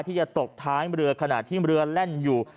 ที่จะตกท้ายเรือขณะที่เรือแล่นอยู่